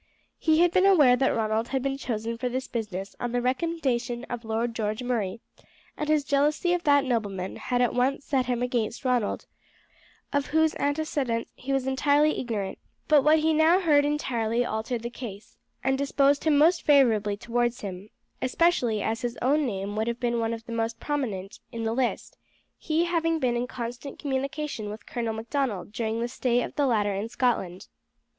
He had been aware that Ronald had been chosen for this business on the recommendation of Lord George Murray, and his jealousy of that nobleman had at once set him against Ronald, of whose antecedents he was entirely ignorant; but what he now heard entirely altered the case, and disposed him most favourably towards him, especially as his own name would have been one of the most prominent in the list, he having been in constant communication with Colonel Macdonald during the stay of the latter in Scotland.